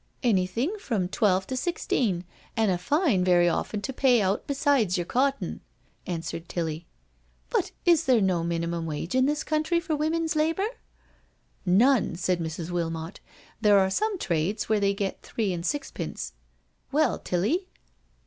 '* "Anything from twelve (o sixteen— an' a fine very often to pay out besides yer cotton/' answered Tilly. " But is there no minimum wage in this country for women's labour?" " None," said Mrs. Wilmot, " There are some trades where they get three and sixpence — well, Tilly?"